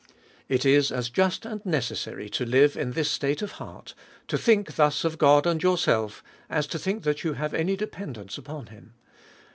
It is as just and necessary to live in this state of heart, to think thus of God and yourself, as to think that you have any dependence upon him.